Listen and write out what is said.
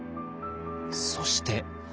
そして。